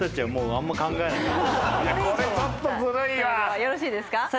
よろしいですか？